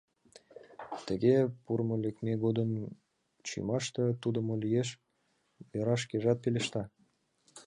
Тыге пурымо-лекме годым чийымаште тудо мо лиеш, — Вера шкежат пелешта.